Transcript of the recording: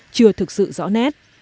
chưa thực sự rõ nét